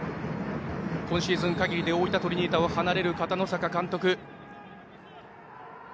今シーズン限りで大分トリニータを離れる片野坂監督。